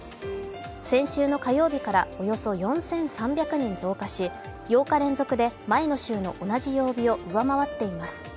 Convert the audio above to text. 先週の火曜日からおよそ４３００人増加し、８日連続で前の週の同じ曜日を上回っています。